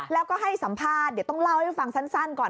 แล้วก็ให้สัมภาษณ์เดี๋ยวต้องเล่าให้ฟังสั้นก่อน